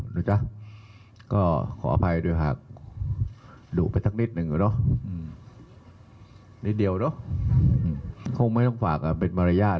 เป็นเรื่องของกฏเราไปและไม่เรียกเรื่องของมารยาท